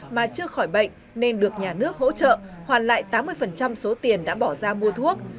mà chưa khỏi bệnh nên được nhà nước hỗ trợ hoàn lại tám mươi số tiền đã bỏ ra mua thuốc